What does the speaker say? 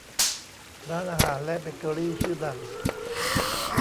ร้านอาหารและเบเกอรี่ชื่อดัง